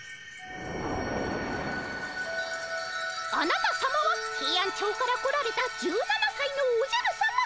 あなたさまはヘイアンチョウから来られた１７さいのおじゃるさま。